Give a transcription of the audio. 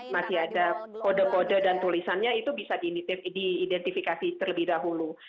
masih ada kode kode dan tulisannya itu bisa diidentifikasi terlebih dahulu